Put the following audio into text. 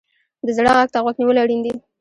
د زړه غږ ته غوږ نیول اړین دي.